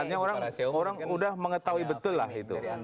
artinya orang sudah mengetahui betul lah itu